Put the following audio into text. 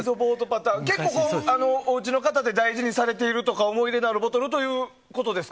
おうちの方で大事にされているとか思い入れのあるボトルということですか？